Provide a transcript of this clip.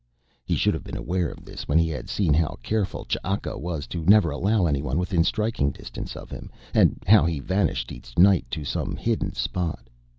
He should have been aware of this when he had seen how careful Ch'aka was to never allow anyone within striking distance of him, and how he vanished each night to some hidden spot.